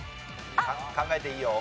考えていいよ。